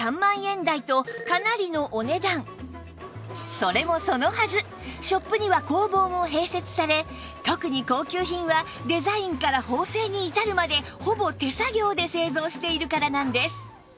それもそのはずショップには工房も併設され特に高級品はデザインから縫製に至るまでほぼ手作業で製造しているからなんです